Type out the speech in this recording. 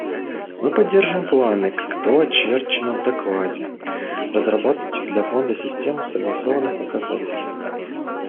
Мы поддерживаем планы, как то очерчено в докладе, разработать для Фонда систему согласованных показателей.